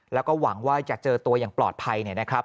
แล้วก็หวังว่าจะเจอตัวอย่างปลอดภัยนะครับ